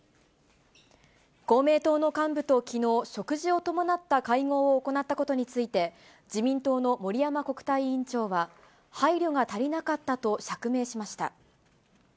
公明党の幹部ときのう、食事を伴った会合を行ったことについて、自民党の森山国対委員長は、配慮が足りなかったと釈明しました。